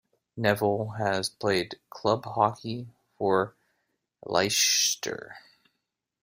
Nevill has played club hockey for Leicester.